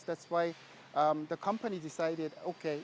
itulah sebabnya perusahaan memutuskan